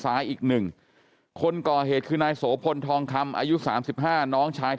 อีกหนึ่งคนก่อเหตุคือนายโสพลทองคำอายุ๓๕น้องชาย